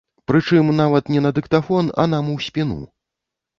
Прычым, нават не на дыктафон, а нам у спіну.